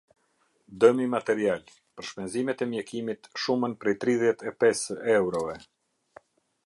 Dëmi material: për shpenzimet e mjekimit shumën prej tridhjetë e pesë eurove.